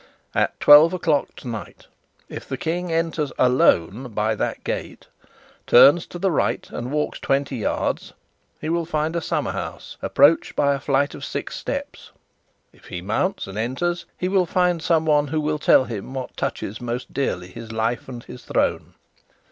At twelve o'clock tonight, if the King enters alone by that gate, turns to the right, and walks twenty yards, he will find a summerhouse, approached by a flight of six steps. If he mounts and enters, he will find someone who will tell him what touches most dearly his life and his throne.